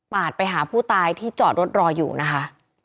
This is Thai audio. ไปหาผู้ตายที่จอดรถรออยู่นะคะ